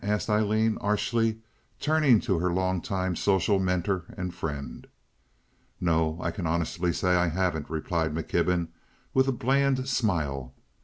asked Aileen, archly, turning to her long time social mentor and friend. "No, I can honestly say I haven't," replied McKibben, with a bland smile.